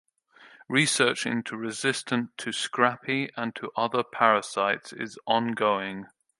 Research into resistance to scrapie and to other parasites is ongoing.